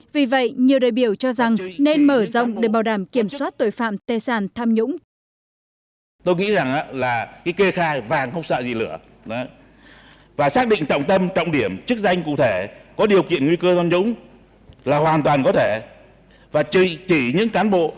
vì vậy nhiều đại biểu cho rằng nên mở rộng để bảo đảm kiểm soát tội phạm tài sản tham nhũng